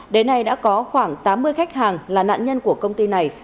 đến nay đã có khoảng tám mươi khách hàng là nạn nhân của công ty này